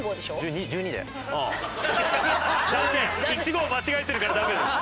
１号間違えてるからダメです。